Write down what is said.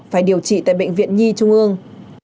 phải điều trị tại bệnh viện nhi trung ương